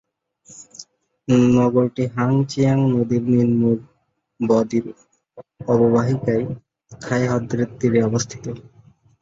নগরীটি Chang Jiang নদীর নিম্ন ব-দ্বীপ অববাহিকায়, থাই হ্রদের তীরে অবস্থিত।